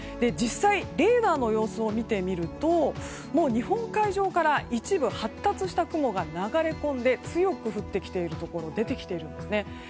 実際レーダーの様子を見てみると日本海上から一部発達した雲が流れ込んで強く降ってきているところ出てきているんですね。